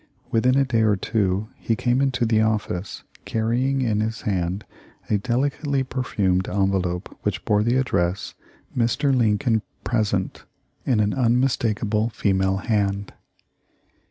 Within a day or two he came into the office, carrying in his hand a delicately perfumed envelope which bore the address, "Mr. Lincoln — THE LIFE OF LINCOLN. 321 Present,"' in an unmistakable female hand.